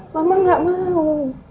mama gak mau